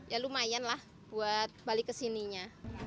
ya lumayan lah buat balik kesininya